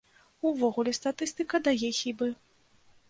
Увогуле, статыстыка дае хібы.